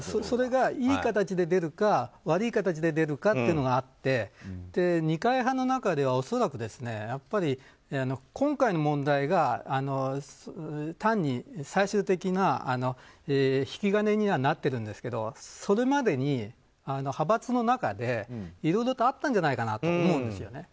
それがいい形で出るか悪い形で出るかというのがあって二階派の中では恐らく、今回の問題が単に最終的な引き金にはなっているんですけどそれまでに派閥の中でいろいろとあったんじゃないかなと思うんですよ。